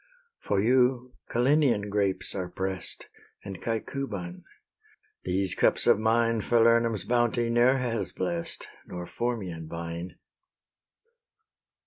For you Calenian grapes are press'd, And Caecuban; these cups of mine Falernum's bounty ne'er has bless'd, Nor Formian vine.